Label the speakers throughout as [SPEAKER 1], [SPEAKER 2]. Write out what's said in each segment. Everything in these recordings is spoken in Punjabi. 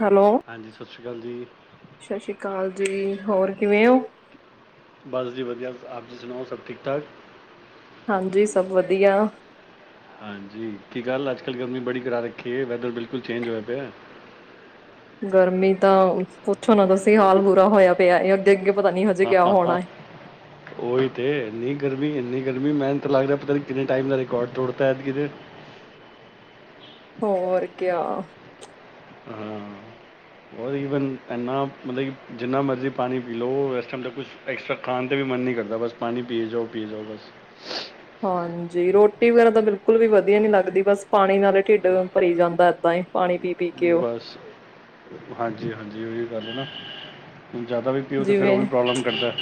[SPEAKER 1] ਹੈਲੋ।
[SPEAKER 2] ਹਾਂਜੀ ਸਤਿ ਸ਼੍ਰੀ ਅਕਾਲ ਜੀ।
[SPEAKER 1] ਸਤਿ ਸ੍ਰੀ ਅਕਾਲ ਜੀ ਹੋਰ ਕਿਵੇਂ ਓ?
[SPEAKER 2] ਬਸ ਜੀ ਵਧੀਆ ਆਪ ਜੀ ਸੁਣਾਓ ਸਭ ਠੀਕ ਠਾਕ।
[SPEAKER 1] ਹਾਂਜੀ ਸਭ ਵਧੀਆ।
[SPEAKER 2] ਹਾਂਜੀ ਕੀ ਗੱਲ ਅੱਜ ਕੱਲ੍ਹ ਗਰਮੀ ਬੜੀ ਕਰਾ ਰੱਖੀ ਏ। ਵੈਦਰ ਬਿਲਕੁਲ ਚੇਂਜ ਹੋਇਆ ਪਿਆ।
[SPEAKER 1] ਗਰਮੀ ਤਾਂ ਪੁੱਛੋ ਨਾ ਤੁਸੀਂ ਹਾਲ ਬੁਰਾ ਹੋਇਆ ਪਿਆ ਅੱਗੇ, ਅੱਗੇ ਪਤਾ ਨੀ ਹਜੇ ਕਿਆ ਹੋਣਾ ਹੈ
[SPEAKER 2] ਉਹੀ ਤੇ ਇੰਨੀ ਗਰਮੀ ਇੰਨੀ ਗਰਮੀ ਮੈਨ ਤਾਂ ਲੱਗ ਰਿਹਾ ਪਤਾ ਨੀ ਕਿੰਨੇ ਟਾਈਮ ਦਾ ਰਿਕਾਰਡ ਤੋੜਤਾ ਐਦਕੀ ਤੇ।
[SPEAKER 1] ਹੋਰ ਕਿਆ।
[SPEAKER 2] ਪਰ ਈਵਨ ਇੰਨਾ ਮਤਲਬ ਕਿ ਜਿੰਨਾ ਮਰਜ਼ੀ ਪਾਨੀ ਪੀ ਲੋ। ਏਸ ਟਾਈਮ ਦਾ ਕੁਛ ਐਕਸਟ੍ਰਾ ਖਾਨ ਤੇ ਵੀ ਮਨ ਨੀ ਕਰਦਾ। ਬਸ ਪਾਨੀ ਪੀ ਜਾਓ ਪੀ ਜਾਓ ਬਸ।
[SPEAKER 1] ਹਾਂਜੀ ਰੋਟੀ ਵਗੈਰਾ ਤਾਂ ਬਿਲਕੁਲ ਵੀ ਵਧੀਆ ਨੀ ਲੱਗਦੀ ਬਸ ਪਾਣੀ ਨਾਲ ਢਿੱਡ ਭਰੀ ਜਾਂਦਾ ਏਦਾਂ ਹੀ ਪਾਣੀ ਪੀ ਪੀ ਕੇ ਉਹ
[SPEAKER 2] ਬਸ ਹਾਂਜੀ, ਹਾਂਜੀ ਉਈਓ ਗੱਲ ਏ ਨਾ। ਜਾਦਾ ਵੀ ਪੀਓ ਤੇ ਫੇਰ ਉਹ
[SPEAKER 1] ਜਿਵੇਂ
[SPEAKER 2] ਵੀ ਪ੍ਰੋਬਲਮ ਕਰਦਾਏ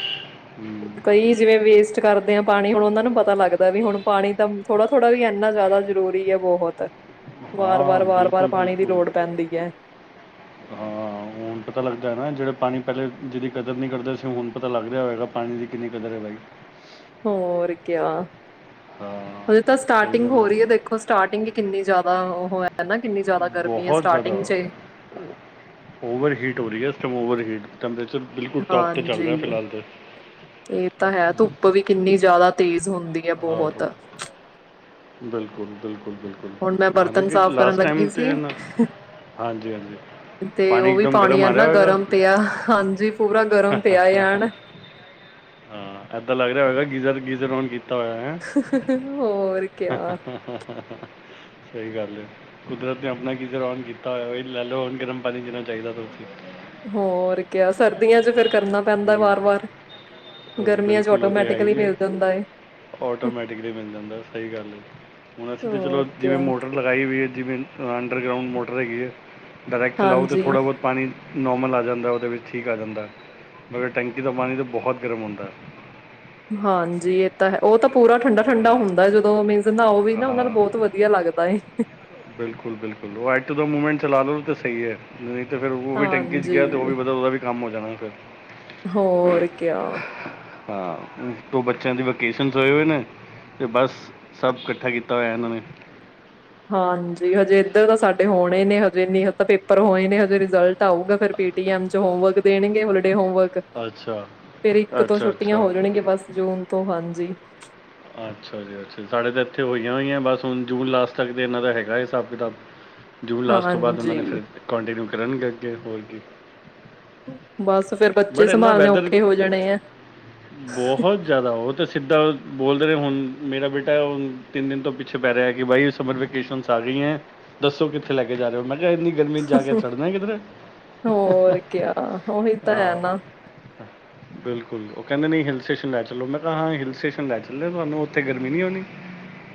[SPEAKER 2] ਹੁੰ।
[SPEAKER 1] ਕਈ ਜਿਵੇਂ ਵੇਸਟ ਕਰਦੇ ਆ ਪਾਣੀ ਹੁਣ ਉਹਨਾਂ ਨੂੰ ਪਤਾ ਲੱਗਦਾ ਏ ਵੀ ਹੁਣ ਪਾਣੀ ਤਾਂ ਥੋੜਾ, ਥੋੜਾ ਵੀ ਇੰਨਾ ਜ਼ਿਆਦਾ ਜ਼ਰੂਰੀ ਹੈ ਬੋਹਤ।
[SPEAKER 2] ਹਾਂ, ਬਿਲਕੁਲ, ਬਿਲਕੁਲ,
[SPEAKER 1] ਹੈ
[SPEAKER 2] ਹਾਂ ਹੁਨ ਪਤਾ ਲੱਗਦਾਏ ਨਾ ਜਿਹੜੇ ਪਾਣੀ ਪਹਿਲੇ ਜਿਹਦੀ ਕਦਰ ਨੀ ਕਰਦੇ ਸੀ ਹੁਣ ਪਤਾ ਲੱਗ ਰਿਹਾ ਹੋਏਗਾ ਪਾਣੀ ਦੀ ਕਿੰਨੀ ਕਦਰ ਏ ਬਾਈ।
[SPEAKER 1] ਹੋਰ ਕਿਆ।
[SPEAKER 2] ਹਾਂ
[SPEAKER 1] ਹਜੇ ਤਾਂ
[SPEAKER 2] ਸਹੀ
[SPEAKER 1] ਸਟਾਰਟਿੰਗ
[SPEAKER 2] ਗੱਲ
[SPEAKER 1] ਹੋ
[SPEAKER 2] ਹੈ
[SPEAKER 1] ਰੀ ਏ ਦੇਖੋ ਸਟਾਰਟਿੰਗ ਈ ਕਿੰਨੀ ਜਾਦਾ ਉਹੋ ਏ
[SPEAKER 2] ਬੋਹਤ ਜ਼ਿਆਦਾ ਓਵਰ ਹੀਟ ਹੋ ਰੀ ਏ ਇਸ ਟਾਈਮ ਓਵਰ ਹੀਟ। ਕਮਰੇ ਬਿਲਕੁਲ ਟੋਪ ਤੇ ਚੱਲ
[SPEAKER 1] ਹਾਂਜੀ
[SPEAKER 2] ਰਿਹਾ ਫਿਲਹਾਲ ਤੇ।
[SPEAKER 1] ਇਹ ਤਾਂ ਹੈ ਧੁੱਪ ਵੀ ਕਿੰਨੀ ਜ਼ਿਆਦਾ ਤੇਜ਼ ਹੁੰਦੀ ਏ ਬੋਹਤ।
[SPEAKER 2] ਆਹੋ ਬਿਲਕੁਲ, ਬਿਲ
[SPEAKER 1] ਹੁਨ ਮੈਂ ਬਰਤਨ ਸਾਫ਼ ਕਰਨ ਲੱਗੀ
[SPEAKER 2] ਤੇ
[SPEAKER 1] ਸੀ
[SPEAKER 2] ਨਾ ਹਾਂਜੀ ਹਾਂਜੀ
[SPEAKER 1] ਤੇ ਉਹ ਵੀ
[SPEAKER 2] ਇੱਕਦਮ
[SPEAKER 1] ਪਾਣੀ
[SPEAKER 2] ਗਰਮ ਆ ਰਿਹਾ
[SPEAKER 1] ਐਨਾ
[SPEAKER 2] ਹੋਏਗਾ
[SPEAKER 1] ਗਰਮ ਪਿਆ। ਹਾਂਜੀ, ਪੂਰਾ ਗਰਮ ਪਿਆ ਐਨ
[SPEAKER 2] ਹਾਂ ਏਦਾਂ ਲੱਗ ਰਿਹਾ ਹੋਏਗਾ ਕੇ। ਗੀਜ਼ਰ, ਗੀਜ਼ਰ ਔਨ ਕੀਤਾ
[SPEAKER 1] ਹੋਰ
[SPEAKER 2] [unintelligible]
[SPEAKER 1] ਕਿਆ
[SPEAKER 2] ਸਹੀ ਗੱਲ ਏ। ਕੁਦਰਤ ਨੇ ਆਪਨਾ ਗਿਜ਼ਰ ਔਨ ਕੀਤਾ ਹੋਇਆ ਬਈ ਲੈ ਲੋ ਹੁਨ ਗਰਮ ਪਾਨੀ ਜਿਨਾਂ ਚਾਹੀਦਾਂ
[SPEAKER 1] ਹੋਰ ਕਿਆ ਸਰਦੀਆਂ ਚ ਫੇਰ
[SPEAKER 2] ਹੁੰ,
[SPEAKER 1] ਗਰਮੀਆਂ 'ਚ
[SPEAKER 2] ਬਿਲਕੁਲ ਉਹ ਤੇ ਹੈ
[SPEAKER 1] ਆਟੋਮੈਟਿਕਲੀ
[SPEAKER 2] ਈ ਏ।
[SPEAKER 1] ਮਿਲ ਜਾਂਦਾ ਏ
[SPEAKER 2] ਆਟੋਮੈਟਿਕਲੀ ਮਿਲ ਜਾਂਦਾ ਏ। ਸਹੀ ਗੱਲ ਏ। ਹੁਨ ਅਸੀਂ ਤਾਂ ਚਲੋ
[SPEAKER 1] ਹੋਰ
[SPEAKER 2] ਜਿਵੇਂ
[SPEAKER 1] ਕਿਆ
[SPEAKER 2] ਮੋਟਰ ਲਗਾਈ ਹੋਈ ਏ। ਜਿਵੇਂ ਅੰਡਰਗਰਾਊਂਡ ਮੋਟਰ ਹੈਗੀ ਏ। ਡਾਇਰੇਕਟ ਚਲਾਓ ਤਾਂ
[SPEAKER 1] ਹਾਂਜੀ
[SPEAKER 2] ਥੋੜਾ ਬੋਤ ਪਾਨੀ। ਨੋਰਮਲ ਆ ਜਾਂਦਾ ਉਹਦੇ ਵਿੱਚ ਠੀਕ ਆ ਜਾਂਦਾ ਮਗਰ ਟੈਂਕੀ ਤੋਂ ਪਾਣੀ ਤਾਂ ਬਹੁਤ ਗਰਮ ਹੁੰਦਾ ਹੈ
[SPEAKER 1] ਹਾਂਜੀ ਇਹ ਤਾਂ ਉਹ ਤਾਂ ਪੂਰਾ ਠੰਡਾ ਠੰਡਾ ਹੁੰਦਾ ਜਦੋਂ ਮ ਨਾ ਉਹ ਵੀ
[SPEAKER 2] ਹਾਂ
[SPEAKER 1] ਨਾ ਉਹਨਾ ਨੂੰ
[SPEAKER 2] ਹਾਂ
[SPEAKER 1] ਬਹੁਤ ਵਧੀਆ ਲੱਗਦਾ ਏ ਇੱਕ
[SPEAKER 2] ਬਿਲਕੁਲ ਬਿਲਕੁਲ ਉਹ ਐੂ ਦ ਮੂਵਮੈਂਟ ਚਲਾ ਲੋ ਤੇ ਸਹੀ ਹੈ ਅਤੇ ਫਿਰ ਉਹ ਵੀ ਟੈਂਕੀ 'ਚ ਗਿਆ ਅਤੇ ਉਹ
[SPEAKER 1] ਹਾਂਜੀ
[SPEAKER 2] ਵੀ ਮਤਲਬ ਉਹਦਾ ਵੀ ਕੰਮ ਹੋ ਜਾਣਾ [unintelligible]
[SPEAKER 1] ਹੋਕਿਆ
[SPEAKER 2] ਹਾਂ ਦੋ ਬੱਚਿਆਂ ਦੀ ਵੈਕੇਸ਼ਨ ਹੋਏ ਹੋਏ ਨੇ ਤੇ ਬਸ ਸਭ ਇਕੱਠਾ ਕੀਤਾ ਹੋਇਆ ਇਹਨਾਂ ਨੇ
[SPEAKER 1] ਹਾਂਜੀ ਹਜੇ ਇੱਧਰ ਤਾਂ ਸਾਡੇ ਹੋਣੇ ਨੇ ਹਜੇ ਨ ਤਾਂ ਪੇਪਰ ਹੋਏ ਨੇ ਹਜੇ ਰਿਜਲਟ ਆਊਗਾ ਫਿਰ ਪੀ ਟੀਐਮ ਚ ਹੋਮਵਰਕ ਦੇਣਗੇ ਹ ਹੋਮਵਰਕ
[SPEAKER 2] ਅੱਛਾ
[SPEAKER 1] ਫਿਰ ਇੱਕ ਤੋਂ
[SPEAKER 2] ਅੱਛਾ
[SPEAKER 1] ਛੁੱਟੀਆਂ
[SPEAKER 2] ਅੱਛਾ
[SPEAKER 1] ਹੋ ਜਾਣਗੇੀਆਂ ਬਸ ਜੂਨ ਤੋਂ ਹਾਂਜੀ ਜੀ
[SPEAKER 2] ਅੱਛਾ ਜੀ ਅੱਛਾ ਜੀ ਸਾਡੇ ਤਾਂ ਇੱਥੇ ਹੋਈਆਂ ਹੋਈਆਂ ਬਸ ਹੁਣ ਜੂਨ ਲਾਸਟ ਤੱਕ ਤੇ ਇਹਨਾਂ ਦਾ ਹੈਗਾ ਹਿਸਾਬ ਕਿਤਾਬ ਜੂਨ ਲਾਸਟ ਤੋਂ ਬਾਅਦ ਉਹਨਾਂ ਨੇ
[SPEAKER 1] ਹਾਂਜੀ।
[SPEAKER 2] ਫਿਰ ਕੰੋਂਟੀਨਿਊ ਕੀਤਾ ਕਰਨਗੇੱਗੇ ਹੋਰ ਜ
[SPEAKER 1] [unintelligible] ਬਸ ਫੇਿਰ ਬੱਚੇ ਸੰਭਾਲੇ ਔਖੇ ਹੋ ਜਾਣੇ ਆ
[SPEAKER 2] ਸਿੱਧਾਂ ਬੋਲਦੇ ਰਹੇ ਹੁਣ ਮੇਰਾ ਬੇਟਾੁਣ ਤਿੰਨ ਦਿਨ ਤੋਂ ਪਿੱਛੇ ਪੈ ਰਿਹਾ ਕਿ ਬਾਈ ਸਮਰ ਵੇਕੇਸ਼ਨ ਆ ਰਹੀ ਹੈ ਦੱਸੋ ਕਿੱਥੇ ਲੈ ਕੇ ਜਾ ਰਹੇ ਹੋ ਮੈਂ ਇੰਨੀ ਗਰਮੀ ਚ ਜਾ ਕੇ ਚੜਨਾ ਕਿਧਰ
[SPEAKER 1] ਹੋਰ ਕਿਆ ਉਹੀ ਤਾਂ ਹੈ
[SPEAKER 2] ਹਾਂ
[SPEAKER 1] ਨਾ
[SPEAKER 2] ਬਿਲਕੁਲ ਉਹ ਕਹਿੰਦੇ ਨਹੀਂ ਹਿਲ ਸਟੇਸ਼ਨ ਲੈ ਚਲੋ ਮੈਂ ਕਿਹਾਾਂ ਹਲ ਸਟੇਸ਼ਨ ਲੈ ਚੱਲੇ ਤੁਹਾਨੂੰ ਉੱਥੇ ਗਰਮੀ ਨੀ ਹੋਣੀ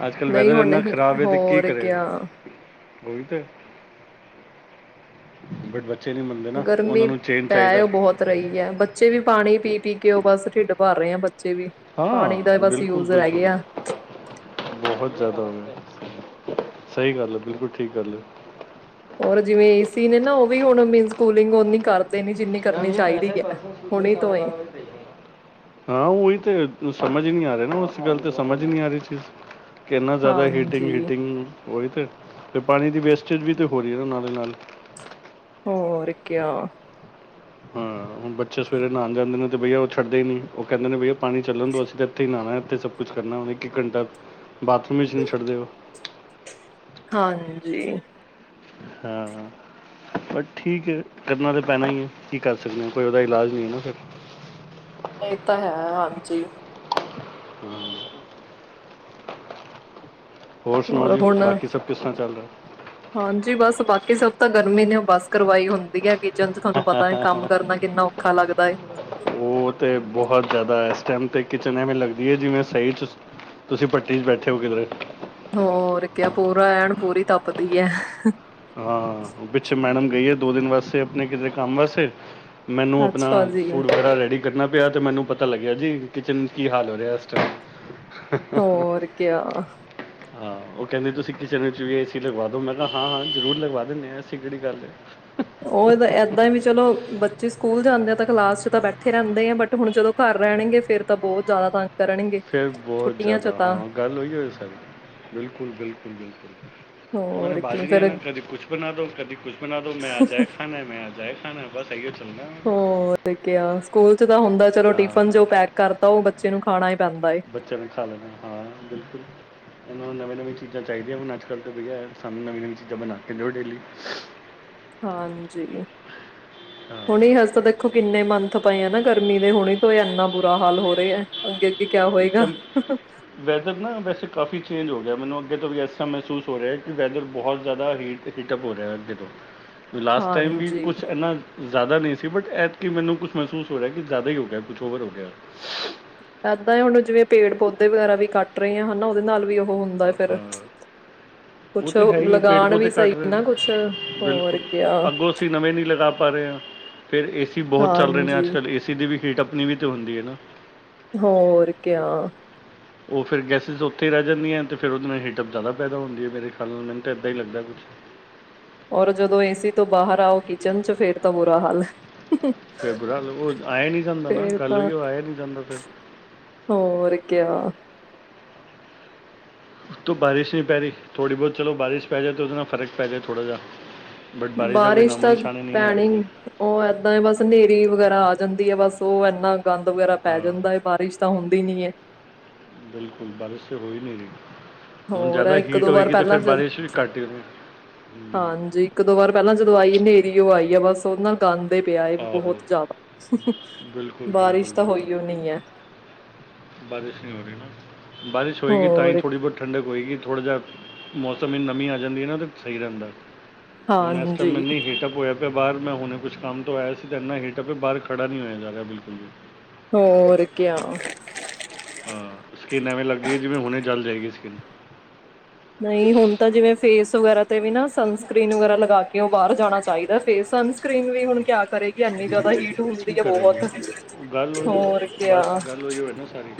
[SPEAKER 2] ਅੱਜ ਕੱਲ
[SPEAKER 1] ਨਹੀਂ
[SPEAKER 2] ਵੈਦਰ
[SPEAKER 1] ਹੁਣ
[SPEAKER 2] ਇੰਨਾ
[SPEAKER 1] ਹੋਰ ਕਿਆ
[SPEAKER 2] ਗੋਲੀ ਤੇ ਬਟ ਬ ਬੱਚੇ ਨਹੀਂ ਮੰਨਦੇ ਨਾ ਉਹਨਾਂ
[SPEAKER 1] ਗਰਮੀ
[SPEAKER 2] ਨੂੰ ਚੇਨ
[SPEAKER 1] ਪੈ
[SPEAKER 2] ਚਾਹੀਦਾ
[SPEAKER 1] ਉਹ ਬਹੁਤ ਰਹੀ ਹੈ ਬੱਚੇ ਵੀ ਪਾਣੀ ਪੀ ਪੀ ਕੇ ਉਹ ਬਸ ਢਿੱਡ ਬਰ [unintelligible]
[SPEAKER 2] ਹਾਂ ਬਿਲਕੁਲ ਬਿਲਕੁਲੁ
[SPEAKER 1] ਗਿਆ
[SPEAKER 2] ਬਹੁਤ ਜ਼ਿਆਦਾ ਹੋਵੇ ਸਹੀ ਗੱਲ ਹੈ ਬਿਲਕੁਲ ਠੀਕ ਗੱਲ ਹੈ
[SPEAKER 1] ਹੋਰ ਜਿਵੇਂ ਏ ਸੀ ਨੇ ਨਾ ਉਹ ਵੀ ਹੁਣ ਮਨ ਸਕੂਲਿੰਗ ਉਹ ਕਰ ਤੋਂ ਏ
[SPEAKER 2] ਹਾਂ ਉਹੀ ਤੇ ਸਮਝ ਨਹੀਂ ਆ ਰਹਾ ਨਾ ਉਸ ਗੱਲ ਤੇ ਸਮਝ ਨਹੀਂ ਆ ਰਹੀ ਚੀਜ਼ ਕਿੰਨਾ ਜ਼ਿਆਦਾ ਹੀਟਿੰਗ
[SPEAKER 1] ਹਾਂਜੀ
[SPEAKER 2] ਹੀਟਿੰਗ ਉਹੀ ਤੇ ਤੇ ਪਾਣੀ ਦੀ ਵੇਸਟੇਜ ਵੀ ਤੇ ਹੋ ਰਹੀ ਹੈ ਉਹ ਨਾਲ ਦੇ ਨਾਲ
[SPEAKER 1] ਹੋਰਕਿਆ
[SPEAKER 2] ਹਾਂਣ ਬੱਚੇ ਸਵੇਰੇ ਨਹਾਉਣ ਜਾਂਦੇ ਨੇ ਤੇ ਬਈਆ ਉਹ ਛੱਡਦੇ ਹੀ ਨੀ ਉਹ ਕਹਿੰਦੇ ਬਈਆ ਪਾਣੀ ਚੱਲਣ ਦ ਅਸੀਂ ਤੇ ਇੱਥੇ ਹੀ ਨਹਾਉਣਾ ਇੱਥੇ ਸਭ ਕੁਛ ਕਰਨਾ ਇੱਕ ਇੱਕ ਘੰਟਾ ਬਾਥਰੂਮ ਵਿੱਚ ਨਹੀਂ ਛੱਡਦੇ ਉਹ
[SPEAKER 1] ਹਾਂਜੀ
[SPEAKER 2] ਹਾਂ ਬ ਠੀਕ ਹੈ ਕਰਨਾ ਤਾਂ ਪੈਣਾ ਹੀ ਹੈ ਕੀ ਕਰ ਸਕਦੇ ਹੋ ਕੋਈ ਉਹਦਾ ਇਲਾਜ ਨਹੀਂ ਹੈ ਨਾ ਫਿਰ
[SPEAKER 1] ਇਹ ਤਾਂ ਹੈ ਹਾਂਜੀ
[SPEAKER 2] ਹਮ ਹੋਰ ਸੁਣਾਓ ਜੀ ਬਾਕੀ ਸਭ ਕਿਸ ਤਰ੍ਹਾਂ ਚੱਲ ਰਿਹਾ
[SPEAKER 1] ਹਾਂਜੀ ਬਸ ਬਾਕੀ ਸਭ ਤਾਂ ਗਰਮੀ ਨੇ ਬੱਸ ਕਰਵਾਈ ਹੁੰਦੀ ਹੈ ਕਿਚਨ ਚ ਤੁਹਾਨੂੰ ਪਤਾ ਹੈ ਕੰਮ ਕਰਨਾ ਕਿੰਨਾ ਔਖਾ ਲੱਗਦਾ ਹੈ
[SPEAKER 2] ਉਹ ਤੇ ਬਹੁਤ ਜ਼ਿਆਦਾ ਇਸ ਕਿਚਨ ਐਵੇਂ ਲੱਗਦੀ ਹੈ ਜਿਵੇਂ ਸਹੀ ਚ ਤੁਸੀਂ ਪੱਟੀ ਚ ਬੈਠੇ ਹੋ ਕਿਧਰੇ
[SPEAKER 1] ਹੋਰ ਕਿਹਾਿਆ ਪੂਰਾ ਐਨ ਪੂਰੀ ਤਪਦੀ ਹੈ
[SPEAKER 2] ਹਾਂ ਪਿੱਛੇ ਮੈਡਮ ਗਈ ਹੈ ਦੋ ਦਿਨ ਵਾਸਤੇ ਆਪਣੇ ਕਿਤੇ ਕੰਮ ਵਾਸਤੇ ਮੈਨੂੰ ਆਪਣਾ
[SPEAKER 1] ਅੱਛਾ ਜੀ
[SPEAKER 2] ਫੂਡ ਵਗੈਰਾ ਰੈਡੀ ਕਰਨਾ ਪਿਆ ਤੇ ਮੈਨੂੰ ਪਤਾ ਲੱਗਿਆ ਜੀ ਕਿਚਨ ਕੀ ਹਾਲ ਹੋ ਰਿਹਾ ਟਮ
[SPEAKER 1] ਹੋਰਕਿਆ
[SPEAKER 2] ਹਾਂ ਉਹ ਕਹਿੰਦੇ ਤੁਸੀਂ ਕਿਚਨ ਵਿੱਚ ਵੀ ਏ ਸੀ ਲਗਵਾ ਦੋ ਮੈਂ ਤਾਂ ਹਾਂ ਹਾਂ ਜ਼ਰੂਰ ਲਗਵਾ ਦਿੰਦੇ ਹਾਂ ਅਸੀਂ ਕਿੜੀ ਗੱਲ ਹੈ
[SPEAKER 1] ਉਹ ਤਾਂ ਇਏਦਾਂ ਹੀ ਵੀ ਚਲੋ ਬੱਚੇ ਸਕੂਲ ਜਾਂਦੇ ਆ ਤਾਂ ਕਲਾਸ ਚ ਤਾਂ ਬੈਠੇ ਰਹਿੰਦੇ ਆ ਬਟ ਹੁਣ ਜਦੋਂ ਘਰ ਰਹਿਣਗੇ ਫੇਿਰ ਤਾਂ ਬਹੁਤ ਜ਼ਿਆਦਾ ਤੰਗ ਕਰਨਗੇ
[SPEAKER 2] ਫਿਰ ਬਹੁਤ
[SPEAKER 1] ਛੁੱਟੀਆਂ ਚ
[SPEAKER 2] ਜ਼ਿਆਦਾ
[SPEAKER 1] ਤਾਂ
[SPEAKER 2] ਹਾਂ ਗੱਲ ਹੋਈ ਹੋਵੇ ਸਰ ਬਿਲਕੁਲ ਬਿਲਕੁਲ ਬਿਲਕੁਲ ਉਹਨਾਂ ਨੇ
[SPEAKER 1] ਹੋਰ ਕੀ
[SPEAKER 2] ਬਾਜਰੀ
[SPEAKER 1] ਫੇਰ
[SPEAKER 2] ਨਾ ਕਦੀ ਕੁੱਛ ਬਣਾ ਦੋ ਕਦੀ ਕੁੱਛ ਬਣਾ ਦੋ ਮੈਂ ਅੱਜ ਏ ਖਾਣਾ ਮੈਂ ਅੱਜ ਇਹ ਖਾਣਾ ਏ ਬਸ ਇਹੀ ੀ
[SPEAKER 1] ਹੋ ਕਿਆ ਸਕੂਲ ਚ ਤਾਂ ਹੁੰਦਾ ਚਲੋ
[SPEAKER 2] ਹਾਂ
[SPEAKER 1] ਟਿਫਨ ਜੋ ਪੈਕ ਕਰਤਾ ਉਹ ਬੱਚੇ ਨੂੰ ਖਾਣਾ ਪੈਂਦਾ ਏ
[SPEAKER 2] ਬੱਚਿਆਂ ਨੇ ਖਾ ਲੈਣਾ ਹਾਂ ਬਿਲਕੁਲ ਇਹਨਾਂ ਨੂੰ ਨਵੀਂ ਨਵੀ ਚੀਜ਼ਾਂ ਚਾਹੀਦੀਆਂ ਹੁਣ ਅੱਜ ਕੱਲ੍ਹ ਤਾਂ ਵਧੀਆ ਸਾਨੂੰ ਨਵੀਂ ਨਵੀਂ ਚੀਜ਼ਾਂ ਬਣਾ ਕੇ ਦਿਉ ਡੇਲੀ
[SPEAKER 1] ਹਾਂਜੀ
[SPEAKER 2] ਹਾਂ
[SPEAKER 1] ਹੁਣ ਹਜ ਤਾਂ ਦੇਖੋ ਕਿੰਨੇ ਮੰਥ ਪਏ ਆ ਨਾ ਗਰਮੀ ਦੇ ਹੁਣੀ ਤੋਂ ਇੰਨਾ ਬੁਰਾ ਹਾਲ ਹੋ ਰਿਹਾ ਹੈ ਅੱਗੇ ਅੱਗੇ ਕਿਆ ਹੋਏਗਾ
[SPEAKER 2] ਵੈਦਰ ਨਾ ਵੈਸੇ ਕਾਫ਼ੀ ਚੇਂਜ ਹੋ ਗਿਆ ਮੈਨੂੰੱ ੱਗੇ ਤੋਂ ਵੀ ਐਸਾ ਮਹਿਸੂਸ ਹੋ ਰਿਹਾ ਕਿ ਵੈਦਰ ਬਹੁਤ ਜ਼ਿਆਦਾ ਹੀਟ ਹੀਟਅਪ ਹੋ ਰਿਹਾ ਹੈ ਅੱਗੇ ਤੋਂ ਵੀ ਲਾਸਟ ਟਾਈਮ ਵੀ
[SPEAKER 1] ਹਾਂਜੀ
[SPEAKER 2] ਕੁਛ ਇਨਾਂ ਜ਼ਿਆਦਾ ਨਹੀਂ ਸੀ ਬਟ ਐਤਕੀ ਮੈਨੂੰ ਕੁਛ ਮਹਿਸੂਸ ਹੋ ਰਿਹਾ ਕਿ ਜ਼ਿਆਦਾ ਹੀ ਹੋ ਗਿਆ ਕੁਛ ਓਵਰ ਹੋ ਗਿਆ
[SPEAKER 1] ਇੱਦਾਂ ਉਹਨ ਜਿਵੇਂ ਪੇੜ ਪੌਦੇ ਵਗੈਰਾ ਵੀ ਕੱਟ ਰਹੇ ਆ ਹਨਾ ਉਹਦੇ ਨਾਲ ਵੀ ਹੁੰਦਾ ਫਿਰ
[SPEAKER 2] ਹਾਂ ਉਹ
[SPEAKER 1] ਕੁਛ
[SPEAKER 2] ਤੇ ਹੈ ਹੀ ਹੈ ਪੇੜ
[SPEAKER 1] ਲਗਾਣ ਵੀ
[SPEAKER 2] ਪੌਦੇੇ
[SPEAKER 1] ਸਹੀ
[SPEAKER 2] ਘੱਟ ਰਹੇ
[SPEAKER 1] ਨਾ ਕੁਛ
[SPEAKER 2] ਨੇ
[SPEAKER 1] ਹੋਰ
[SPEAKER 2] ਬਿਲਕੁਲ
[SPEAKER 1] ਕਿਆ
[SPEAKER 2] ਅੱਗੋਂ ਅਸੀਂ ਨਵੇਂ ਨਹੀਂ ਲਗਾ ਪਾ ਰਹੇ ਹਾਂ ਫੇਰ ਏਸੀ ਬਹੁਤ ਚੱਲ ਰਹੇ ਨੇ
[SPEAKER 1] ਹਾਂਜੀ
[SPEAKER 2] ਅੱਜ ਕੱਲ੍ਹ ਏਸੀ ਦੀ ਵੀ ਹੀਟ ਆਪਣੀ ਵੀ ਤੇ ਹੁੰਦੀ ਹੈ ਨਾ
[SPEAKER 1] ਹੋਰ ਕਿਆ
[SPEAKER 2] ਉਹ ਫਿਰ ਗੈਸਿਸ ਉੱਥੇ ਹੀ ਰਹਿ ਜਾਂਦੀਆਂ ਤੇ ਫਿਰ ਉਹਦੇ ਨਾਲ ਹੀਟਅਪ ਜ਼ਿਆਦਾ ਪੈਦਾ ਹੁੰਦੀ ਹੈ ਮੇਰੇ ਖਾਣ ਨਾਲ ਮੈਨੂੰ ਤਾਂ ਇੱਦਾਂ ਹੀ ਲੱਗਦਾ ਕੁਛ
[SPEAKER 1] ਔਰ ਜਦੋਂ ਏਸੀ ਤੋਂ ਬਾਹਰ ਆਓ ਕਿਚਨ ਚ ਫੇਰ ਤਾਂ ਬੁਰਾ ਹਾਲ ਹੈ।
[SPEAKER 2] ਫੇਰ ਬੁਰਾ ਉਹ ਆਏ ਨੀ ਜਾਂਦਾ ਨਾ
[SPEAKER 1] ਫੇਰ
[SPEAKER 2] ਕੱਲ
[SPEAKER 1] ਤਾਂ
[SPEAKER 2] ਈ ਉਹ ਆਏ ਨੀ ਜਾਂਦਾ ਫ
[SPEAKER 1] ਹੋਰ ਕਿਆ
[SPEAKER 2] ਤ ਬਾਰਿਸ਼ ਨਹੀਂ ਪੈ ਰਹੀਥੋੜੀ ਬਹੁਤ ਚਲੋ ਬਾਰਿਸ਼ ਪੈ ਜਾਏ ਤਾਂ ਉਤਨਾ ਫ਼ਰਕ ਪੈ ਜਾਏ ੋੜਾ ਜਾਹਾ
[SPEAKER 1] ਬਾਰਿਸ਼ ਤਾਂ ਪੈਣੀ
[SPEAKER 2] ਤੱਕ
[SPEAKER 1] ਉਹ ਏਦਾਂ ਬਸ ਹਨੇਰੀ ਵਗੈਰਾ ਆ ਜਾਂਦੀ ਹੈ ਬਸ ਤੋ ਇੰਨਾ ਗੰਦ ਵਗੈਰਾ ਪੈ ਜਾਂਦਾ
[SPEAKER 2] ਹਾਂ
[SPEAKER 1] ਹੈ ਬਾਰਿਸ਼ ਤਾਂ ਹੁੰਦੀ ਨੀ ਹੈ
[SPEAKER 2] ਬਿਲਕੁਲ ਬਾਰਿਸ਼ ਤੇ ਹੋ ਹੀ ਨਹੀਂ ਰਹੀ ਹੁਣ
[SPEAKER 1] ਹੋਰ ਹੈ
[SPEAKER 2] ਜ਼ਿਆਦਾ
[SPEAKER 1] ਇੱਕ
[SPEAKER 2] ਹੀਟ
[SPEAKER 1] ਦੋ ਵਾਰ
[SPEAKER 2] ਹੋਏਗੀ ਤੇ ਫਿਰ
[SPEAKER 1] ਪਹਿਲਾਂ ਜ
[SPEAKER 2] ਬਾਰਿਸ਼ ਵੀ ਘੱਟ ਹੀ ਹੋਣੀ ਹਮ,
[SPEAKER 1] ਹਾਂਜੀ ਇੱਕ ਦੋ ਵਾਰ ਪਹਿਲਾਂ ਜਦੋਂ ਆਈ ਹਨੇਰੀ ਉਹ ਆਈ ਹੈ ਬਸ ਸੋਨਾ ਗਾਂਧੀ ਪਿਆ ਬਹੁਤ
[SPEAKER 2] ਆਹੋ
[SPEAKER 1] ਜ਼ਿਆਦਾ ਬਾਰਿਸ਼ ਤਾਂ ਹੋਈ ਉਹ ਨ ਹੈ
[SPEAKER 2] ਬਾਰਿਸ਼ ਹੋਏਗੀ ਤਾਂ ਹੀ
[SPEAKER 1] ਹੋਰ
[SPEAKER 2] ਥੋੜ੍ਹੀ ਬਹੁਤ ਠੰਡਕ ਹੋਏਗੀ ਥੋੜ੍ਹਾ ਜਿਹਾ ਮੌਸਮ ਨਮੀਂ ਆ ਜਾਂਦੀ ਹੈ ਨਾ ਤਾਂ ਸਹੀ ਰਹਿੰਦਾ ਹੁਣ ਇਸ ਟਾਈਮ
[SPEAKER 1] ਹਾਂਜੀ
[SPEAKER 2] ਇੰਨੀ ਹੀਟਅਪ ਹੋਇਆ ਅਦ ਮੈਂ ਬਾਹਰ ਹੁਣੇ ਕੁਸ਼ ਕੰਮ ਤੋਂ ਆਇਆ ਸੀ ਤਾਂ ਇੰਨਾ ਹੀੇਟਪੇ ਬਾਹਰ ਖੜਾ ਨਹੀਂ ਹੋਆ ਜਾ ਰਿਹਾ ਬਿਲਕੁਲ ਜ
[SPEAKER 1] ਹੋਰ ਕਿਆ
[SPEAKER 2] ਹਾਂ ਸਕਿੰਨ ਐਵੇਂ ਲੱਗਦੀ ਹੈ ਜਿਵੇਂ ਹੁਣੇ ਜਲ ਜਾਏਗੀ ਸਕਿੰਨ
[SPEAKER 1] ਨਹੀਂ ਹੁਣ ਤਾਂ ਜਿਵੇਂ ਫੇਸ ਵਗੈਰਾ ਤੇ ਵੀ ਨਾ ਸਨ ਸਕਕ੍ਰਰੀਨ ਵਗੈਰਾ ਲਗਾ ਕੇ ਉਹ ਬਾਹਰ ਜਾਣਾ ਚਾਹੀਦਾ ਫੇਸ ਸਨਸਕ੍ਰਰੀਨ ਵੀ ਹੁਣ ਕਿਆ ਕਰੇਗੀ ਇਨੀ ਜ਼ਿਆਦਾ ਹੀਟ
[SPEAKER 2] ਕੀ
[SPEAKER 1] ਹੁੰਦੀ ਹੈ
[SPEAKER 2] ਕਰੇਗੀ
[SPEAKER 1] ਬਹੁਤ
[SPEAKER 2] ਗੱਲ ਉਹੀਓ
[SPEAKER 1] ਹੋਰ ਕਿਆ
[SPEAKER 2] ਬਸ ਗੱਲ ਉਹੀ ਹੋਏ ਨਾ ਸਾਰੀ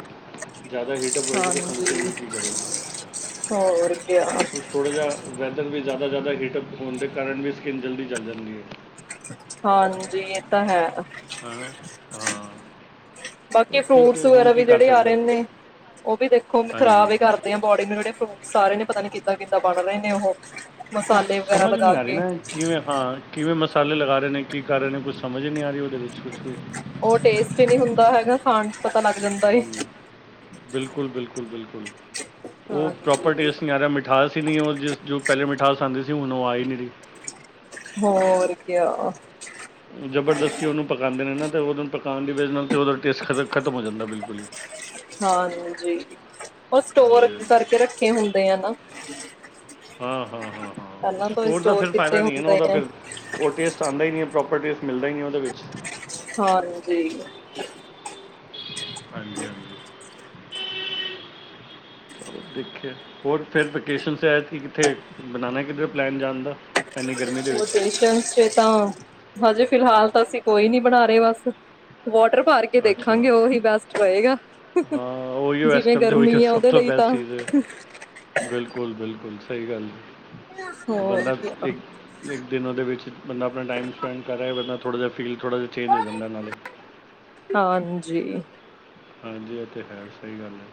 [SPEAKER 2] ਜ਼ਿਆਦਾ ਹੀਟਅਪ ਹੋਏਗੀ ਤਾਂ ਸਨਸਨ
[SPEAKER 1] ਹਾਂਜੀ
[SPEAKER 2] ਵੀ ਕੀ ਕਰੇਗੀ।
[SPEAKER 1] ਹੋਰ ਕਿਆ
[SPEAKER 2] ਕੁਛ ਥੋੜਾ ਜਿਹਾ ਵੈਦਰ। ਜ਼ਿਆਦਾ ਜ਼ਿਆਦਾ ਹੀਟਅਪ ਹੋਣ ਦੇ ਕਾਰਨ ਵੀ ਸਕਿਨ ਜਲਦੀ ਚਲ ਜਾਂਣਦੀ ਹੈ।
[SPEAKER 1] ਹਾਂਜੀ ਇਹ ਤਾਂ ਹੈ।
[SPEAKER 2] ਹੈ ਨਾ? ਹਾਂ। ਪਰ
[SPEAKER 1] ਬਾਕੀ
[SPEAKER 2] ਠੀਕ
[SPEAKER 1] ਫਰੂਟਸ
[SPEAKER 2] ਹੈ ਹੁਣ
[SPEAKER 1] ਵਗੈਰਾ
[SPEAKER 2] ਕੀ
[SPEAKER 1] ਵੀ
[SPEAKER 2] ਕਰ
[SPEAKER 1] ਜੇਹੜੇ ਆ
[SPEAKER 2] ਸਕਦੇ ਹਾਂ
[SPEAKER 1] ਰਹੇ ਨੇ। ਉਹ ਵੀ ਦੇਖੋ
[SPEAKER 2] ਹਾਂਜੀ
[SPEAKER 1] ਖ਼ਰਾਬ ਹੀ ਕਰਦੇ ਆ ਬੋਡੀ ਨੂੰ ਜਿਹੜੇ। ਸਾਰੇ ਨੇ ਪਤਾ ਨੀ ਕਿੱਦਾਂ ਕਿੱਦਾਂ ਬਣ ਗਏ ਨੇ ਹੁਣ।
[SPEAKER 2] ਉਹ ਸਮਝ ਨਹੀਂ ਆ ਰਹੀ ਨਾ ਕਿਵੇਂ ਹਾਂ ਕਿਵੇਂ ਮਸਲਾ। ਗਲੇ ਲਗਾ ਰਹੇ ਨੇ ਕੀ ਕਰ ਰਹੇ ਨੇ ਕੁਛ ਸਮਝ ਨਹੀਂ ਆ ਰਹੀ। ਵਿੱਚ ਕੁਝ ਵੀ
[SPEAKER 1] ਉਹ ਟੇਸਟ ਨਹੀਂ ਹੁੰਦਾ ਹੈਗਾ। ਖਾਣ ਚ ਪਤਾ ਲਾਗ ਜਾਂਦਾ ਏ।
[SPEAKER 2] ਹਮ, ਬਿਲਕੁਲ ਬਿਲਕੁਲ ਬਿਲਕੁਲ ਉਹ ਪ੍ਰੌਪਰ
[SPEAKER 1] ਹਾਂਜੀ
[SPEAKER 2] ਟੇਸਟ ਨਹੀਂ ਆ ਰਿਹਾ ਮਿਠਾਸ ਹੀ ਨਹੀਂ ਉਹ ਜਿਸ ਜੋ ਪਹਿਲੇ ਮਿਠਾ ਕੱਲ੍ਹ ਸੰਡੇ ਸੀ ਹੁਣ ਉਹ ਆਈ ਨਹੀਂ ਰਹੀ।
[SPEAKER 1] ਹੋਰ ਕਿਆ
[SPEAKER 2] ਜਬਰਦਸਤੀ ਉਹਨੂੰ ਪਕਾਉਂਦੇ ਨੇ ਨਾ ਤੇ ਉਹਦ ਪਕਾਉਣ ਦੀ ਵਜ੍ਹਾ ਨਾਲ ਨਾਲ ਤੇ ਉਹਦਾ ਟੇਸਟ ਖ਼ਤਮ ਹੋ ਜਾਂਦਾ ਬਿਲਕੁਲ ਹੀ।
[SPEAKER 1] ਹਾਂਜੀ। ਉਹ
[SPEAKER 2] ਹਾਂਜੀ
[SPEAKER 1] ਸਟੋਰ
[SPEAKER 2] ਹਾਂਜੀ
[SPEAKER 1] ਕਰਕੇ ਰੱਖੇ ਹੁਣ। ਆ ਨਾ
[SPEAKER 2] ਹਾਂ ਹਾਂ ਹਾਂ ਹਾਂ
[SPEAKER 1] ਪਹਿਲਾਂ ਤੋਂ ਹੀ
[SPEAKER 2] ਸਟੋਰ ਦਾ ਫਿਰ
[SPEAKER 1] ਕੀਤੇ
[SPEAKER 2] ਫਾਇਦਾ ਨਹੀਂ ਹੈ ਨਾ
[SPEAKER 1] ਹੁੰਦੇ
[SPEAKER 2] ਉਹਦਾ
[SPEAKER 1] ਆ
[SPEAKER 2] ਫਿਰ ਉਹ ਟੇਸਟ ਆਉਂਦਾ ਹੀ ਨਹੀਂ ਪ੍ਰੌਪਰ। ਮਿਲਦਾ ਹੀ ਨਹੀਂ ਉਹਦੇ ਵਿੱਚ।
[SPEAKER 1] ਹਾਂਜੀ।
[SPEAKER 2] ਹਾਂਜੀ-ਹਾਂਜੀ। ਦੇਖਿਆ ਹੋਰ ਫਿਰ ਵੈਕੇਸ਼ਨਸ ਹੈ, ਕਿੱਥੇ ਬਣਾਣਾ ਕਿੱਧਰੈ ਪਲੈਨ ਜਾਣ ਦਾ? ਇੰਨੀ ਗਰਮੀ ਦੇ
[SPEAKER 1] ਉਹ
[SPEAKER 2] ਵਿੱਚ
[SPEAKER 1] ਪੇਸ਼ੈਂਸ ਚੇ ਤਾਂ ਹਜੇ ਫਿਲਹਾਲ ਤਾਂ ਅਸੀਂ ਕੋਈ ਵੀ ਨੀ ਬਣਾ ਰਹੇ ਬਸ। ਵਾਟਰ ਪਾਰ ਕੇ
[SPEAKER 2] ਅੱਛਾ
[SPEAKER 1] ਦੇਖਾਂਗੇ, ਉਹੀ ਬੈਸਟ ਰਹੇਗਾ,
[SPEAKER 2] ਹਾਂ ਉਹੀ ਇਸ
[SPEAKER 1] ਜਿਵੇਂ
[SPEAKER 2] ਟਾਈਮ ਤੇ ਉਹੀ
[SPEAKER 1] ਗਰਮੀ ਹੈ
[SPEAKER 2] ਸਭ
[SPEAKER 1] ਉਹਦੇ
[SPEAKER 2] ਤੋਂ
[SPEAKER 1] ਲਈ ਤਾਂ
[SPEAKER 2] ਬੈਸਟ ਚੀਜ਼ ਹੈ ਬਿਲਕੁਲ ਬਿਲਕੁਲ ਸਹੀ ਗੱਲ ਹੈ।
[SPEAKER 1] ਹੋਰ
[SPEAKER 2] ਬੰਦਾ
[SPEAKER 1] ਕਿਆ
[SPEAKER 2] ਇੱਕ-ਇੱਕ ਦਿਨਾਂ ਦੇ ਵਿੱਚ ਬੰਦਾ ਆਪਣਾ ਟਾਈਮ ਸਪੈਂਡ ਕਰ ਰਿਹਾ ਬੰਦਾ ਥੋੜਾ ਜਾ ਫੀਲ ਥੋੜ੍ਹਾ ਜਿਹਾ ਚੇਂਜ ਹੋ ਜਾਂਦਾ ਨਾਲੇ
[SPEAKER 1] ਹਾਂਜੀ,
[SPEAKER 2] ਹਾਂਜੀ ਇਹ ਤੇ ਹੈ, ਸਹੀ ਗੱਲ ਹੈ।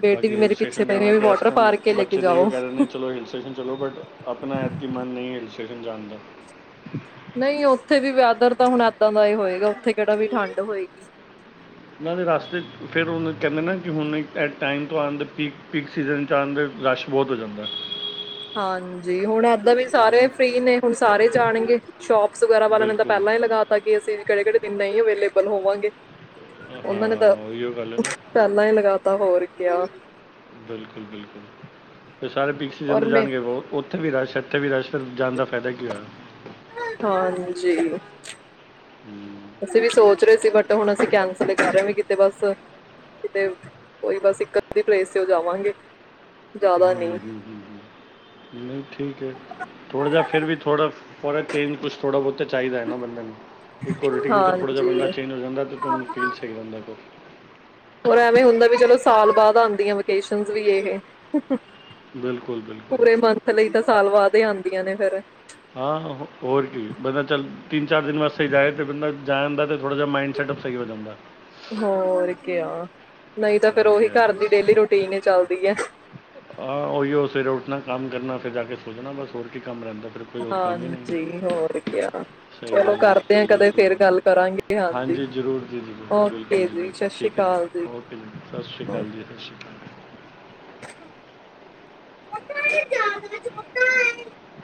[SPEAKER 1] ਬੇਟੀ ਵੀ
[SPEAKER 2] ਬਾਕੀ ਹਲ
[SPEAKER 1] ਮੇਰੇ ਪਿੱਛੇ
[SPEAKER 2] ਸਟੇਸ਼ਨ
[SPEAKER 1] ਪਈ
[SPEAKER 2] ਜਾਣਾ
[SPEAKER 1] ਵੀ
[SPEAKER 2] ਤਾਂ ਇਸ
[SPEAKER 1] ਵਾਟਰ
[SPEAKER 2] ਟਾਈਮ
[SPEAKER 1] ਪਾਰਕ ਕੇ ਲੈ ਕੇ
[SPEAKER 2] ਬੱਚੇ ਤਾਂ ਇਹ
[SPEAKER 1] ਜਾਓ
[SPEAKER 2] ਕਹਿ ਰਹੇ ਨੇ ਚਲੋ, ਹਿੱਲ ਸਟੇਸ਼ਨ ਚੱਲੋ ਬਟ ਆਪਣਾ ਐਤਕੀ ਮਨ ਨਹੀਂ ਕ੍ਰਿਸ਼ਨ ਜਾਂਣਦੇ ਨੇ,
[SPEAKER 1] ਨਹੀਂ ਉੱਥੇ ਵੀ ਵੈਦਰ ਤਾਂ ਹੁਣ ਏਦਾਂ ਦਾ ਹੀ ਹੋਏਗਾ, ਉੱਥੇ ਕਿਹੜਾ ਵੀ ਠੰਡ ਹੋਏਗੀ?
[SPEAKER 2] ਮੈਂ ਵੀ ਰਸਤੇ ਫਿਰ ਉਨੂੰ ਕਹਿੰਦੇ ਨਾ ਕਿ ਹੁਣ ਐਟ ਟਾਈਮ ਤੋਂ ਆਣ ਪੀਕ-ਪੀਕ ਸੀਜ਼ਨ ਚ ਆਦੇ ਰਸ਼ ਬਹੁਤ ਹੋ ਜਾਂਦਾ।
[SPEAKER 1] ਹਾਂਜੀ ਹੁਣ ਇੱਦਾਂ ਵੀ
[SPEAKER 2] ਹੈ
[SPEAKER 1] ਸਾਰੇ
[SPEAKER 2] ਨਾ
[SPEAKER 1] ਫ੍ਰਰੀ ਨੇ ਹੁਣ ਸਾਰੇ ਜਾਣਗੇ ਸ਼ੋਪਸ ਵਗੈਰਾ ਵਾਲਾ ਨੇ ਤਾਂ
[SPEAKER 2] ਬਿਲਕੁਲ
[SPEAKER 1] ਪਹਿਲਾਂ ਹੀ ਲਗਾ ਤਾ ਕਿ ਅਸੀਂ ਕਿਹੜੇ ਕਿਹੜੇ ਦਿਨ ਨਹੀਂ ਐਵੇ ਅਲੇਬਲ ਹੋਵਾਂਗੇ।
[SPEAKER 2] ਹਾਂ
[SPEAKER 1] ਉਹਨਾਂ ਨੇ ਤਾਂ
[SPEAKER 2] ਉਹੀਓ ਗੱਲ ਹੈ ਨਾ
[SPEAKER 1] ਪਹਿਲਾਂ ਹੀ ਲਗਾਤਾ ਹੋਰ ਕਿਆ।
[SPEAKER 2] ਬਿਲਕੁਲ ਬਿਲਕੁਲ ਸਾਰੇ ਪੀਸ
[SPEAKER 1] ਔਰ
[SPEAKER 2] ਜਦੋ
[SPEAKER 1] ਮੈਂ
[SPEAKER 2] ਜਾਣਗੇ। ਇੱਥੇ ਵੀ ਰਸ਼ ਇੱਥੇ ਵੀ ਰਸ਼ ਫਿਰ ਜਾਣ ਦਾ ਫਾਇਦਾ ਕੀ ਹੋਇਆ।
[SPEAKER 1] ਹਾਂਜੀ,
[SPEAKER 2] ਹਮ,
[SPEAKER 1] ਅਸੀਂ ਵੀ ਸੋਚ ਰਹੇ ਸੀ, ਬਟ ਹੁਣ ਅਸੀ ਕੈਂਸਲ ਕਰ ਰਿਹਾ ਵੀ ਕਿਤੇ ਬਸ ਕਿਤੇ ਕੋਈ ਬਸ ਇੱਕ ਅੱਧੀ ਪਲੇਸ ਤੇ ਉਹ ਜਾਵਾਂਗੇ। ਜ਼ਿਆਦਾ ਨਹੀਂ
[SPEAKER 2] ਹੂੰ-ਹੂੰ, ਨਹੀਂ ਠੀਕ ਹੈ, ਥੋੜਾ ਜਿਹਾ ਫੇਰ ਵੀ ਥੋੜਾ ਥੋੜਾ ਚੇਜ ਕੁਛ ਥੋੜਾ ਬਹੁਤ ਤਾਂ ਚਾਹੀਦਾ ਹੈ, ਨਾ ਬੰਦੇ ਨੂੰ ਇੱਕੋ ਰੂਟੀਨ ਤੋਂ ਥੋੜ੍ਹਾ ਜਿਹਾ
[SPEAKER 1] ਹਾਂਜੀ
[SPEAKER 2] ਬੰਦਾ ਚੇਂਜ ਹੋ, ਜਾਂਦਾ ਤਾਂ ਤੁਹਾਨੂੰ ਫੀਲ ਚਾਹੀਦਾ ਹੁੰਦਾ।
[SPEAKER 1] ਹੋਰ ਐਵੇਂ ਹੁੰਦਾ ਵੀ ਚਲੋ ਸਾਲ ਬਾਅਦ ਆਦੀ ਆ ਵਕੇਸ਼ਨ ਵੀ ਇਹੇ
[SPEAKER 2] ਬਿਲਕੁਲ ਬਿਲਕੁਲ
[SPEAKER 1] ਪੂਰੇ ਮੰਥ ਲਈ ਤਾਂ ਸਾਲ ਬਾਅਦ ਆਦੇ ਹੁੰਦੀਆ ਨੇ ਫੇਰ,
[SPEAKER 2] ਹਾਂ ਹੋਰ ਕੀ ਬੰਦਾ ਚੱਲ ਤਿੰਨ ਚਾਰ ਦਿਨ ਵਾਸਤੇ ਜਾਏ ਤੇ ਬੰਦਾ ਜਾਣ ਦਾ ਤੇ ਥੋੜ੍ਹਾ ਜਾ ਮਾਈਡ ਸੈਟਪ ਸਹੀ ਹੋ ਜਾਂਦਾ।
[SPEAKER 1] ਹੋਰ ਕਿਆ। ਨਹੀਂ ਤਾਂ ਫੇਰ ਉਹੀ
[SPEAKER 2] ਹਾਂਜੀ
[SPEAKER 1] ਘਰ
[SPEAKER 2] ਹਾਂਜੀ
[SPEAKER 1] ਦੀ ਡੇਲੀ ਰੂਟੀਨ ਹੀ ਚੱਲਦੀ, ਹੈ।
[SPEAKER 2] ਹਾਂ ਉਹੀ ਹੋ ਸਿਰ, ਆਪਣਾ ਕੰਮ ਕਰਨਾ ਫਿਰ ਜਾ ਕੇ ਸੋਚਣਾ ਬਸ ਹੋਰ ਕੀ ਕੰਮ ਰਹਿੰਦਾ ਫਿਰ ਕੋਈ ਹੋਰ ਕੰਮ ਹੀ ਨਹੀਂ
[SPEAKER 1] ਹਾਂਜੀ
[SPEAKER 2] ਹੈ,
[SPEAKER 1] ਹੋਰ ਕਿਆ
[SPEAKER 2] ਸਹੀ
[SPEAKER 1] ਚਲੋ
[SPEAKER 2] ਗੱਲ ਹੈ
[SPEAKER 1] ਕਰਦੇ ਆ ਕਦੇ ਫੇਰ
[SPEAKER 2] ਬਿਲਕੁਲ-ਬਿਲਕੁਲ
[SPEAKER 1] ਗੱਲ ਕਰਾਂਗੇ
[SPEAKER 2] ਹਾਂਜੀ ਜ਼ਰੂਰ ਜੀ ਜਰੂਰ ਬਿਲਕੁਲ
[SPEAKER 1] ਓਕੇ
[SPEAKER 2] ਜੀ ਬਿਲਕੁਲ
[SPEAKER 1] ਸਤਿ ਸ਼੍ਰੀ
[SPEAKER 2] ਠੀਕ ਹੈ, ਜੀ
[SPEAKER 1] ਅਕਾਲ
[SPEAKER 2] ਓਕੇ ਜੀ ਸਤਿ ਸ਼੍ਰੀ ਅਕਾਲ ਜੀ।
[SPEAKER 1] [inaudible]